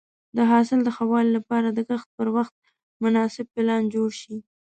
د حاصل د ښه والي لپاره د کښت پر وخت مناسب پلان جوړ شي.